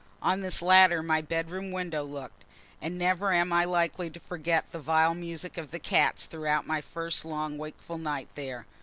On this latter my bedroom window looked; and never am I likely to forget the vile music of the cats throughout my first long wakeful night there.